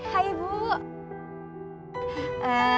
hai kak dina